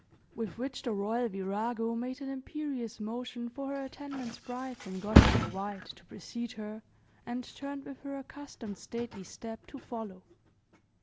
With which the royal virago made an imperious motion for her attendant sprites in gossamer white to precede her, and turned with her accustomed stately step to follow.